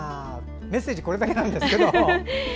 メッセージこれだけなんですけど。